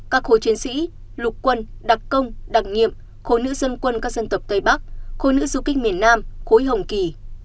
các khối chiến sĩ lục quân đặc công đặc nhiệm khối nữ dân quân các dân tộc tây bắc khối nữ du kích miền nam khối hồng kỳ